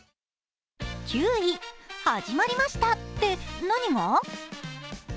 ９位、はじまりましたって何が？